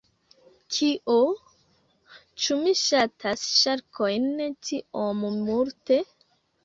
Kio? Ĉu mi ŝatas ŝarkojn tiom multe?